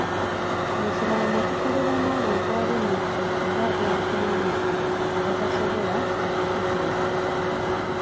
Ekiraamo kikolebwa n'abantu ab'emmizi era ab'obuvunaanyizibwa abatasobola okukikyusa.